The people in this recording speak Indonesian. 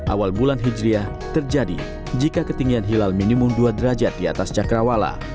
awal bulan hijriah terjadi jika ketinggian hilal minimum dua derajat di atas cakrawala